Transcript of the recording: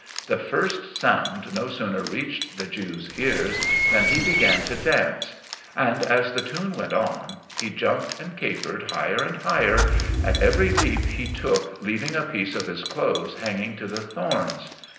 The first sound no sooner reached the Jew's ears than he began to dance; and, as the tune went on, he jumped and capered higher and higher, at every leap he took leaving a piece of his clothes hanging to the thorns.